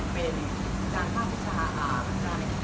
ประมาณ